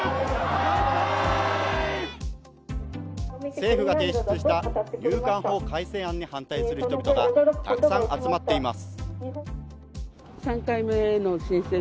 政府が提出した入管法改正案に反対する人々がたくさん集まっています。